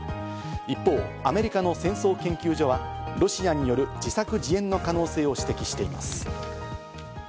一方、アメリカの戦争研究所はロシアによる自作自演の可能性を指摘しています。